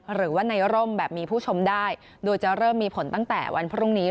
หรือว่าในร่มแบบมีผู้ชมได้โดยจะเริ่มมีผลตั้งแต่วันพรุ่งนี้